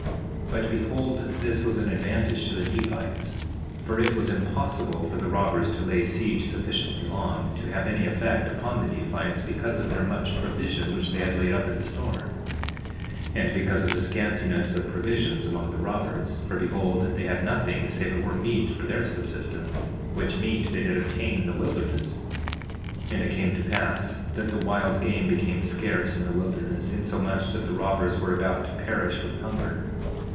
4:18 But behold, this was an advantage to the Nephites; for it was impossible for the robbers to lay siege sufficiently long to have any effect upon the Nephites, because of their much provision which they had laid up in store, 4:19 And because of the scantiness of provisions among the robbers—for behold, they had nothing save it were meat for their subsistence, which meat they did obtain in the wilderness; 4:20 And it came to pass that the wild game became scarce in the wilderness—insomuch that the robbers were about to perish with hunger.